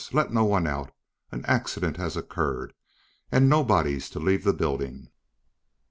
Let no one out! An accident has occurred, and nobody's to leave the building."